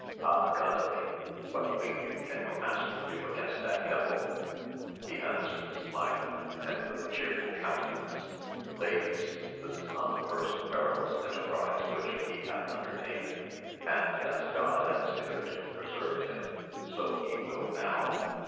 Ah Gandalin, what think you can your master do against that devil ? he answered smiling, and with a chearful countenance, Ladies, this is not the first perilous enterprise which he hath undertaken, and as God as hitherto pre served him so he will now.